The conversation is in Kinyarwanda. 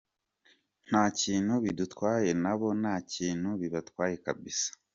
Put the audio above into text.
Nta kintu bidutwaye nabo nta kintu bibatwaye kabisa.